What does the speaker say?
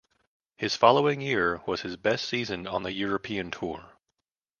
His following year was his best season on the European Tour.